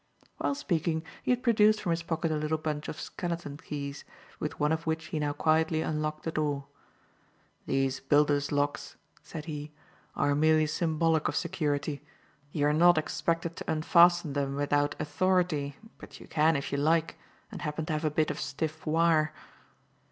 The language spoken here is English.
While speaking, he had produced from his pocket a little bunch of skeleton keys, with one of which he now quietly unlocked the door. "These builders' locks," said he, "are merely symbolic of security. You are not expected to unfasten them without authority, but you can if you like and happen to have a bit of stiff wire."